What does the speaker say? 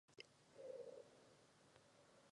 Jednalo se tehdy o velkou národní slavnost.